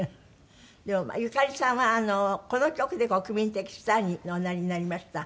でもゆかりさんはこの曲で国民的スターにおなりになりました。